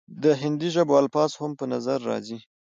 د هندي ژبو الفاظ هم پۀ نظر راځي،